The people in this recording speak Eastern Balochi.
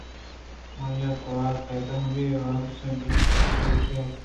آئی ءِ توار پدا آ مئے آروس ءِ بابتءَ چے گوٛشیت